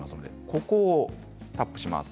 ここをタップします。